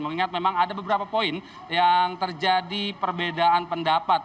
mengingat memang ada beberapa poin yang terjadi perbedaan pendapat